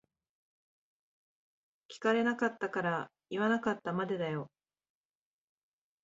聞かれなかったから言わなかったまでだよ。